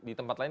di tempat lain